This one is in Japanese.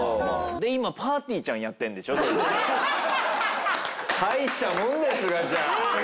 で今ぱーてぃーちゃんやってるんでしょ？大したもんだよすがちゃん。